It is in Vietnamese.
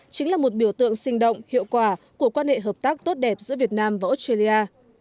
chính là một biểu tượng sinh động hiệu quả của quan hệ hợp tác tốt đẹp giữa việt nam và australia